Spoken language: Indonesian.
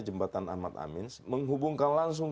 jembatan ahmad amin menghubungkan langsung